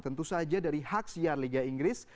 tentu saja dari hak siar liga inggris